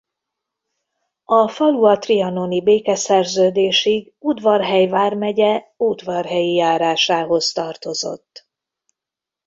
A falu a trianoni békeszerződésig Udvarhely vármegye Udvarhelyi járásához tartozott.